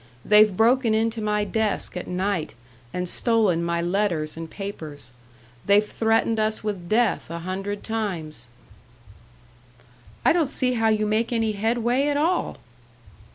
They've broken into my desk at night and stolen my letters and papers; they've threatened us with death a hundred times." "I don't see how you make any headway at all!"